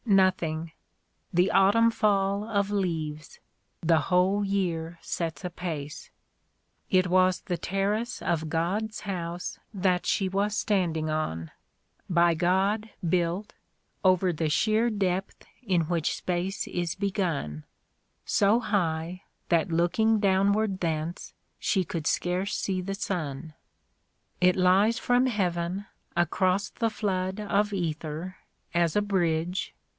... Nothing : the Autumn fall of leaves. The whole year sets apace). It was the terrace of God's house That she was standing on, By God built over the sheer depth A DAY WITH ROSSETTI. In which Space is begun ; So high, that looking downward thence, She could scarce see the sun. It lies from Heaven, across the flood Of ether, as a bridge.